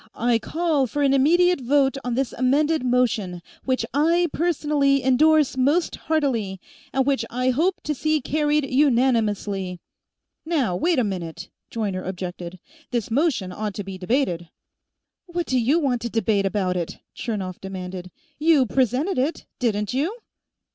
"I call for an immediate vote on this amended motion, which I, personally, endorse most heartily, and which I hope to see carried unanimously." "Now, wait a minute!" Joyner objected. "This motion ought to be debated " "What do you want to debate about it?" Chernov demanded. "You presented it, didn't you?"